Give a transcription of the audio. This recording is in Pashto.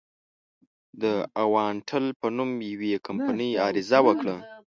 د اوانټل په نوم یوې کمپنۍ عریضه وکړه.